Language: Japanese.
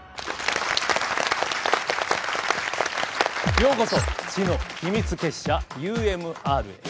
ようこそ知の秘密結社ＵＭＲへ。